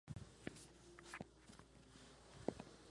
Sus textos provocadores eran rechazados muchas veces por los editores.